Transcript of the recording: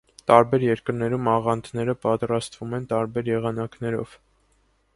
Տարբեր երկրներում աղանդերը պատրաստում են տարբեր եղանակներով։